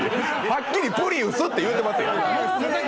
はっきりプリウスて言うてますよ。